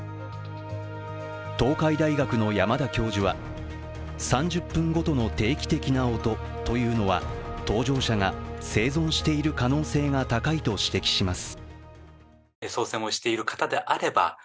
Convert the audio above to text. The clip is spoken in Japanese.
東海大学の山田教授は３０分ごとの定期的な音というのは搭乗者が生存している可能性が高いと指摘します。